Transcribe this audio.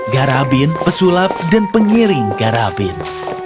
garabin pesulap dan pengiring garabin